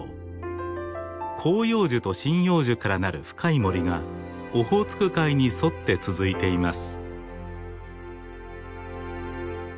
広葉樹と針葉樹からなる深い森がオホーツク海に沿って続いています。